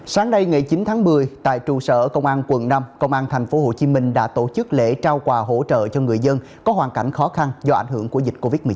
sáng nay ngày chín tháng một mươi tại trụ sở công an quận năm công an tp hcm đã tổ chức lễ trao quà hỗ trợ cho người dân có hoàn cảnh khó khăn do ảnh hưởng của dịch covid một mươi chín